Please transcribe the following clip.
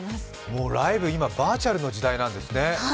もうライブ、今はバーチャルの時代なんですね。